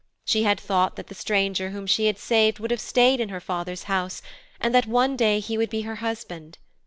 She had thought that the stranger whom she had saved would have stayed in her father's house, and that one day he would be her husband.